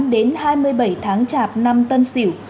một mươi tám đến hai mươi bảy tháng chạp năm tân sỉu